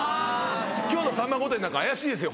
今日の『さんま御殿‼』なんか怪しいですよ。